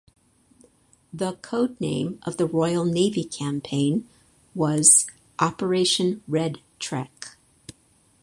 The codename of the Royal Navy campaign was "Operation Red Trek".